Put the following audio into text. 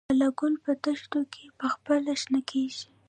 لاله ګل په دښتو کې پخپله شنه کیږي؟